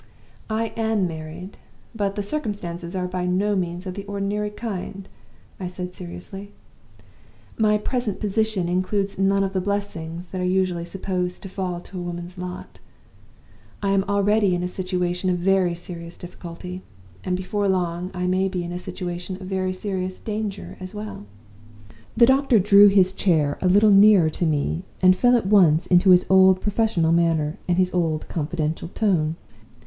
"'I am married; but the circumstances are by no means of the ordinary kind,' I said, seriously. My present position includes none of the blessings that are usually supposed to fall to a woman's lot. I am already in a situation of very serious difficulty; and before long I may be in a situation of very serious danger as well.' "The doctor drew his chair a little nearer to me, and fell at once into his old professional manner and his old confidential tone.